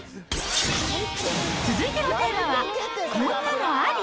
続いてのテーマは、こんなのアリ？